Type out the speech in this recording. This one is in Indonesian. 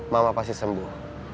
mama pasti sembuh